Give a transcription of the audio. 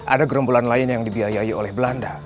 ada gerombolan lain yang dibiayai oleh belanda